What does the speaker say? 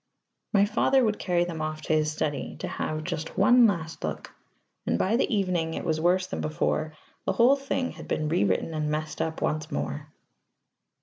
My father would carry them off to his study to have "just one last look," and by the evening it was worse than before; the whole thing had been rewritten and messed up once more.